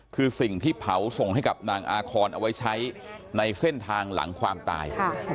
คือสิ่งที่เผาส่งให้กับนางอาคอนเอาไว้ใช้ในเส้นทางหลังความตาย